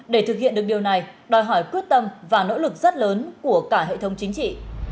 để thực hiện được điều này đòi hỏi quyết tâm và nỗ lực rất lớn của cả hệ thống chính trị